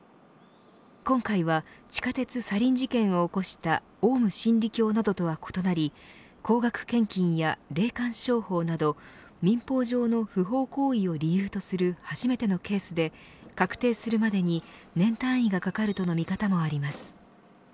今回は地下鉄サリン事件を起こしたオウム真理教などとは異なり高額献金や霊感商法など民法上の不法行為を理由とする初めてのケースで確定するまでに年単位がかかるとの見方もあります。